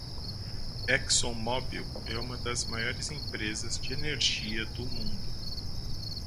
ExxonMobil é uma das maiores empresas de energia do mundo.